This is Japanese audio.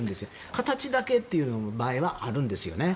形だけっていう場合はあるんですよね。